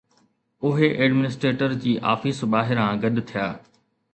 اهي ايڊمنسٽريٽر جي آفيس ٻاهران گڏ ٿيا